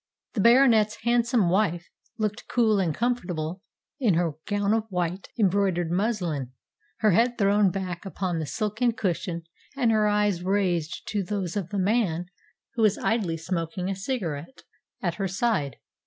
The Baronet's handsome wife looked cool and comfortable in her gown of white embroidered muslin, her head thrown back upon the silken cushion, and her eyes raised to those of the man, who was idly smoking a cigarette, at her side.